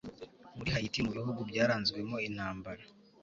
muri hayiti, mu bihugu byaranzwemo intambara